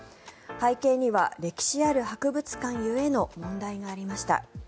背景には歴史ある博物館故の問題がありました。